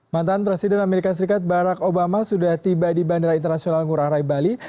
mantan presiden amerika serikat barack obama sudah tiba di bandara internasional ngurah rai bali